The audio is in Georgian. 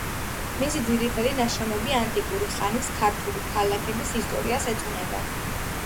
მისი ძირითადი ნაშრომები ანტიკური ხანის ქართული ქალაქების ისტორიას ეძღვნება.